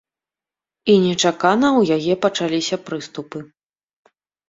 І нечакана ў яе пачаліся прыступы.